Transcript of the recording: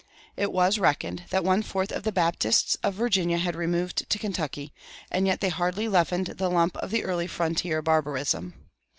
It was reckoned that one fourth of the Baptists of Virginia had removed to Kentucky, and yet they hardly leavened the lump of early frontier barbarism.